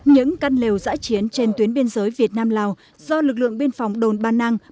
những căn lều giãi chiến trên tuyến biên giới việt nam lào do lực lượng biên phòng đồn ban năng